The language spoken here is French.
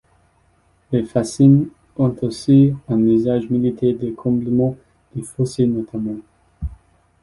Les fascines ont aussi un usage militaire de comblement des fossés notamment.